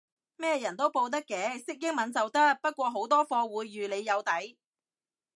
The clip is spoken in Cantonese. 咩人都報得嘅，識英文就得，不過好多課會預你有底